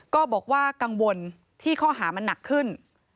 ก็บอกว่ากังวลที่ข้อหามันหนักขึ้น